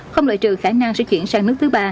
không loại trừ khả năng sẽ chuyển sang nước thứ ba